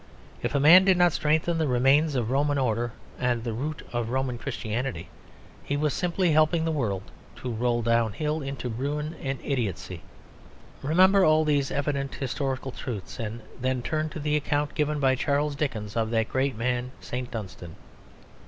If a man did not strengthen the remains of Roman order and the root of Roman Christianity, he was simply helping the world to roll downhill into ruin and idiotcy. Remember all these evident historical truths and then turn to the account given by Charles Dickens of that great man, St. Dunstan.